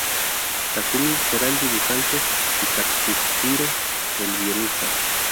Takumi será el dibujante y Katsuhiro el guionista.